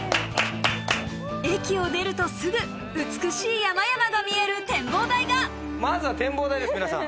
駅を出るとすぐ美しい山々が見える展望台がまずは展望台です皆さん。